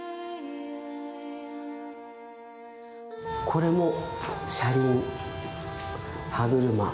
これも車輪歯車。